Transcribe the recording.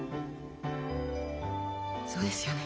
そうですよね。